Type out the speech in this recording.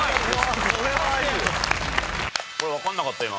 分かんなかった今。